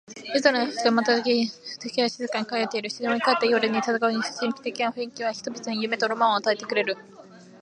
夜空には星が瞬き、月が静かに輝いている。静まり返った夜に漂う神秘的な雰囲気は、人々に夢とロマンを与えてくれる。